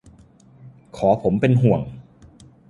ขอผมเป็นห่วง